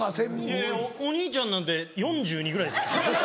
いやいやお兄ちゃんなんて４２ぐらいですよ。